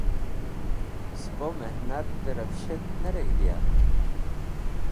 Spo mehnat tẽrefshat ne reg̃hdia?